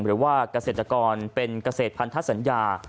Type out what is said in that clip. หรือว่าเกษตรกรเป็นเกษตรพันธสัญญา